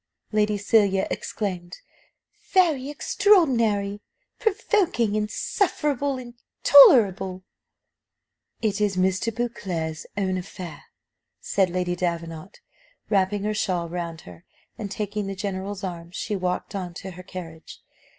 Lady Cecilia exclaimed "Very extraordinary! Provoking! Insufferable! Intolerable!" "It is Mr. Beauclerc's own affair," said Lady Davenant, wrapping her shawl round her; and, taking the general's arm, she walked on to her carriage.